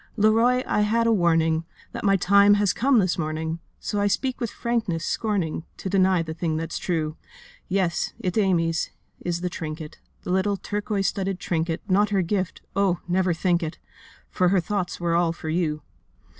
'Leroy, I had a warning, That my time has come this morning, So I speak with frankness, scorning To deny the thing that's true. Yes, it's Amy's, is the trinket, Little turquoise studded trinket, Not her gift—oh, never think it! For her thoughts were all for you.